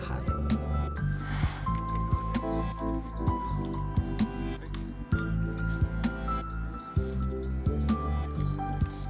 mereka akan mencari hutan yang lebih baik